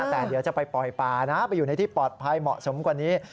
แต่เดี๋ยวจะไปปล่อยป่านะไปอยู่ในที่ปลอดภัยเหมาะสมกว่านี้